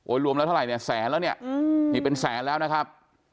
รวมแล้วเท่าไหร่เนี่ยแสนแล้วเนี่ยนี่เป็นแสนแล้วนะครับ